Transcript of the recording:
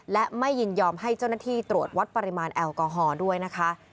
และไม่ยินยอมให้เจ้าหน้าที่ตรวจวัดปริมาณแอลกอฮอล์ด้วยนะคะ